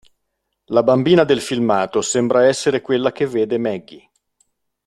La bambina del filmato sembra essere quella che vede Maggie.